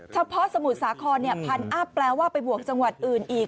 เฉพาะสมุทรสาครพันอัพแปลว่าไปบวกจังหวัดอื่นอีก